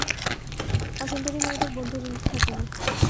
অসুন্দরী মেয়েদের বন্ধুটন্ধু থাকে না।